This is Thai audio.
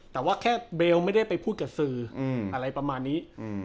แต่ว่าแค่เบลไม่ได้ไปพูดกับสื่ออะไรประมาณนี้